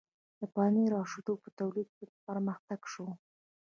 د پنیر او شیدو په تولید کې پرمختګ شو.